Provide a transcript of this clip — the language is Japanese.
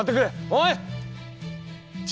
おい！